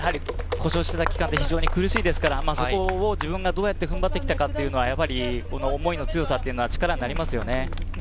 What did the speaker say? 故障してた期間は非常に苦しいですから、そこを自分がどうやって踏ん張ってきたか思いの強さというのは力になりますよね。